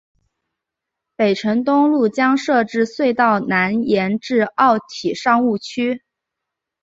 北辰东路将设置隧道南延至奥体商务区。